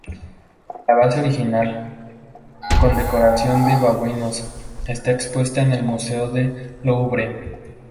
La base original, con decoración de babuinos, está expuesta en el museo del Louvre.